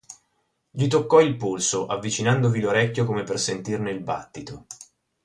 Gli toccò il polso, avvicinandovi l'orecchio come per sentirne il battito.